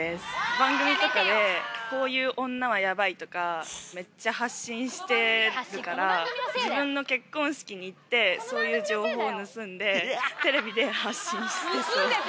番組とかでこういう女はやばいとか、めっちゃ発信してるから、自分の結婚式に行ってそういう情報を盗んでテレビで発信してそう。